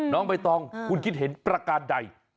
น้องใบตองคุณคิดเห็นประการใด